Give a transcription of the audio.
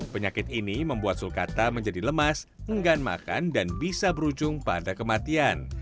penyakit ini membuat sulkata menjadi lemas enggak makan dan bisa berujung pada kematian